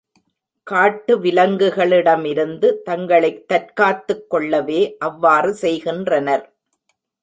காட்டு விலங்குகளிடமிருந்து தங்களைத் தற்காத்துக் கொள்ளவே அவ்வாறு செய்கின்றனர்.